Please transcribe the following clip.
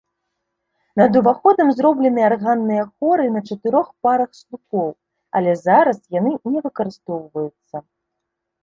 Над уваходам зроблены арганныя хоры на чатырох парах слупоў, але зараз яны не выкарыстоўваюцца.